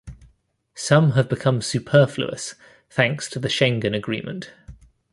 Some have become superfluous thanks to the Schengen Agreement.